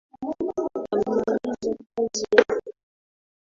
Amemaliza kazi yake